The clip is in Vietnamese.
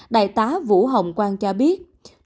đại tá vũ hồng quang cho biết